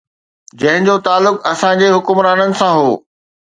جنهن جو تعلق اسان جي حڪمرانن سان هو